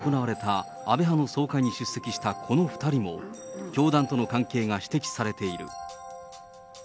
一方、きのう行われた安倍派の総会に出席したこの２人も、教団との関係が指摘されている。